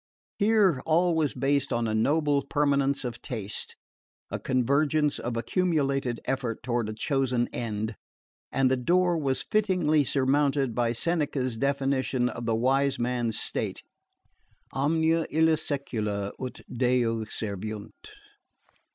Here all was based on a noble permanence of taste, a convergence of accumulated effort toward a chosen end; and the door was fittingly surmounted by Seneca's definition of the wise man's state: "Omnia illi secula ut deo serviunt."